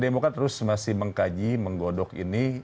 demokrat terus masih mengkaji menggodok ini